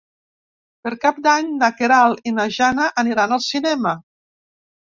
Per Cap d'Any na Queralt i na Jana aniran al cinema.